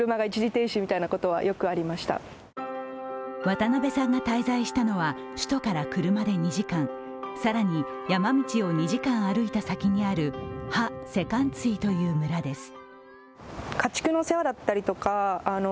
渡邊さんが滞在したのは首都から車で２時間、更に山道を２時間歩いた先にあるハ・セカンツィという町です。